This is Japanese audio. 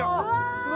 すごい。